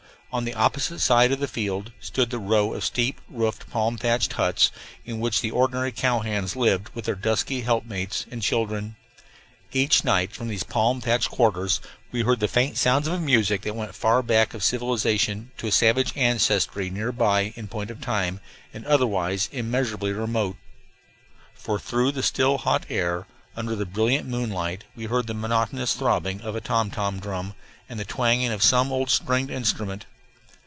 On the opposite side of the field stood the row of steep roofed, palm thatched huts in which the ordinary cowhands lived with their dusky helpmeets and children. Each night from these palm thatched quarters we heard the faint sounds of a music that went far back of civilization to a savage ancestry near by in point of time and otherwise immeasurably remote; for through the still, hot air, under the brilliant moonlight, we heard the monotonous throbbing of a tomtom drum, and the twanging of some old stringed instrument.